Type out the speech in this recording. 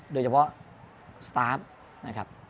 โดยเฉพาะสตาร์ฟนะครับ